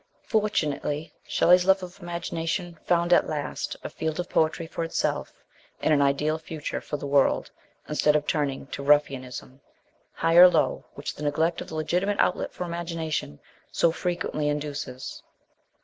Fortunately, Shelley's love of imagination found at last a field of poetry for itself, and an ideal future for the world instead of turning to ruffianism, high or low, which the neglect o r the legitimate outlet for imagination so frequently induces.